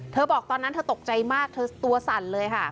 บอกตอนนั้นเธอตกใจมากเธอตัวสั่นเลยค่ะ